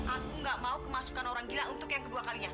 aku gak mau kemasukan orang gila untuk yang kedua kalinya